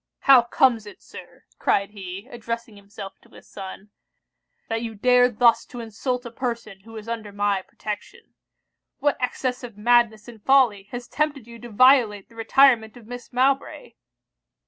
'How comes it, Sir,' cried he, addressing himself to his son, 'that you dare thus to insult a person who is under my protection? What excess of madness and folly has tempted you to violate the retirement of Miss Mowbray?'